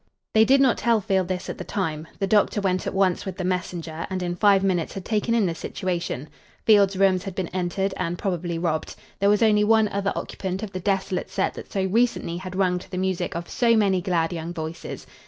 They did not tell Field this at the time. The doctor went at once with the messenger, and in five minutes had taken in the situation. Field's rooms had been entered and probably robbed. There was only one other occupant of the desolate set that so recently had rung to the music of so many glad young voices.